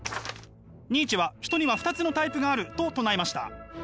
ニーチェは人には２つのタイプがあると唱えました。